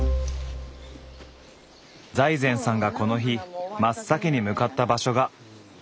財前さんがこの日真っ先に向かった場所が。